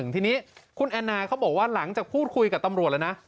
ทีนี้คุณแอนนาเขาบอกว่าหลังจากพูดคุยกับตำรวจแล้วนะ